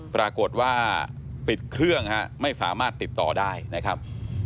ปรากฏว่าปิดเครื่องไม่สามารถติดต่อได้นะครับ